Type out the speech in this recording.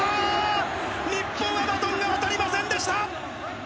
日本はバトンが渡りませんでした！